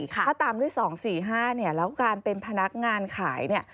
ถ้าตามด้วย๒๔๕แล้วการเป็นพนักงานขาย